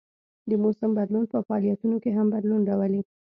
د موسم بدلون په فعالیتونو کې هم بدلون راولي